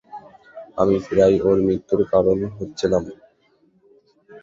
আমি প্রায় ওর মৃত্যুর কারণ হচ্ছিলাম।